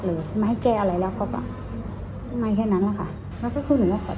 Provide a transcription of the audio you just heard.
หรือไม่ให้แก้อะไรแล้วก็ไม่แค่นั้นแล้วค่ะแล้วก็ขอชลอด